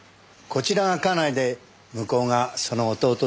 こちらが家内で向こうがその弟です。